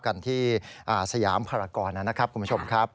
กันที่สยามภารกรนะครับคุณผู้ชมครับ